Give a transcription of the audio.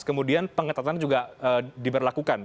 kemudian pengetatan juga diberlakukan